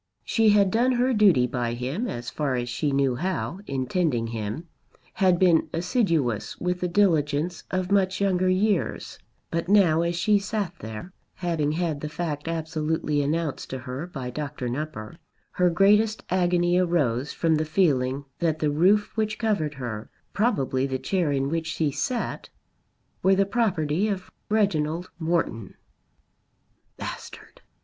She had done her duty by him as far as she knew how in tending him, had been assiduous with the diligence of much younger years; but now as she sat there, having had the fact absolutely announced to her by Dr. Nupper, her greatest agony arose from the feeling that the roof which covered her, probably the chair in which she sat, were the property of Reginald Morton "Bastard!"